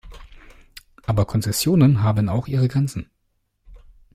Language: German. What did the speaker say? Aber Konzessionen haben auch ihre Grenzen.